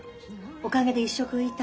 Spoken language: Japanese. おかげで一食浮いた。